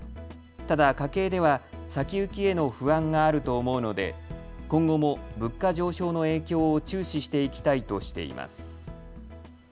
ただ家計では先行きへの不安があると思うので、今後も物価上昇の影響を注視していきたいとしています。